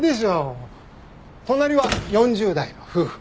隣は４０代の夫婦。